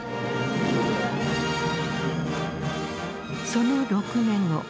その６年後。